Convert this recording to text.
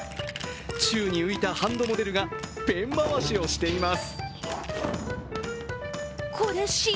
宙に浮いたハンドモデルがペン回しをしています。